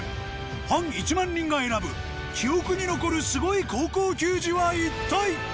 ファン１万人が選ぶ記憶に残るスゴい高校球児は一体？